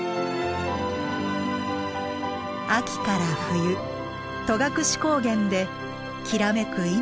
秋から冬戸隠高原できらめく